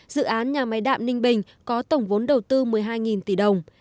dự án nhà máy đạm ninh bình có tổng vốn đầu tư một mươi hai tỷ đồng